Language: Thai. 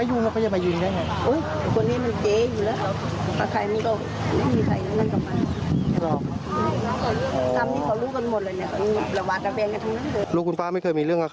อืมในแบบนี้มันไม่ถูกกับใครทั้งนั้น